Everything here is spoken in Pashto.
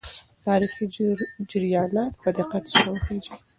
تاریخي جریانات په دقت سره وڅېړئ.